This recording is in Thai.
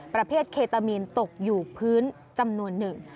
ประเภทเคตามีนตกอยู่พื้นจำนวนหนึ่ง